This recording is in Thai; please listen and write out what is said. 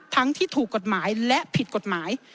ที่ถูกกฎหมายและผิดกฎหมาย